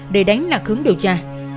để đánh lạc hướng điều tra